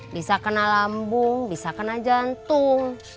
bisa kena lambung bisa kena jantung